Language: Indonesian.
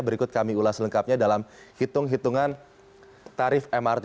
berikut kami ulas lengkapnya dalam hitung hitungan tarif mrt